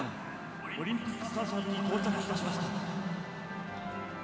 オリンピックスタジアムに到着いたしました。